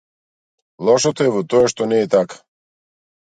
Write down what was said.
Лошото е во тоа што не е така.